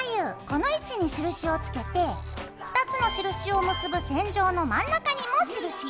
この位置に印をつけて２つの印を結ぶ線上の真ん中にも印。